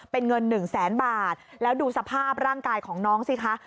เป็นเงินหนึ่งแสนบาทแล้วดูสภาพร่างกายของน้องสิคะ